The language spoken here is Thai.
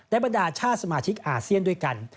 บรรดาชาติสมาชิกอาเซียนด้วยกัน